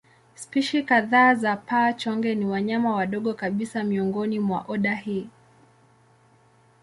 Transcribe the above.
Spishi kadhaa za paa-chonge ni wanyama wadogo kabisa miongoni mwa oda hii.